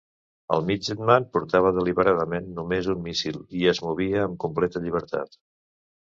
El Midgetman portava deliberadament només un míssil i es movia amb completa llibertat.